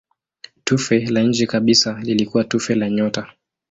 Tufe la nje kabisa lilikuwa tufe la nyota.